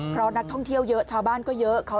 เพราะนักท่องเที่ยวเยอะชาวบ้านก็เยอะ